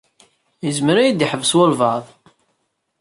Izmer ad yi-d-iḥbes walbɛaḍ.